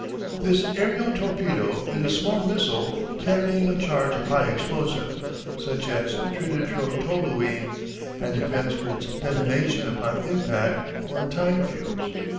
This aerial torpedo is a small missile carrying a charge of high explosive, such as trinitrotoluene, and depends for its detonation upon impact or a time fuse.